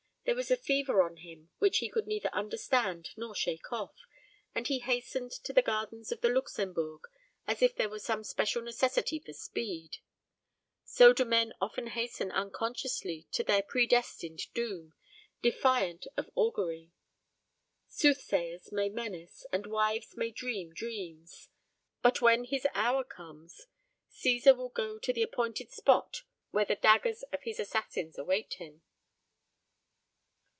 There was a fever on him which he could neither understand nor shake off, and he hastened to the gardens of the Luxembourg, as if there were some special necessity for speed. So do men often hasten unconsciously to their predestined doom, defiant of augury. Soothsayers may menace, and wives may dream dreams; but when his hour comes, Cæsar will go to the appointed spot where the daggers of his assassins await him.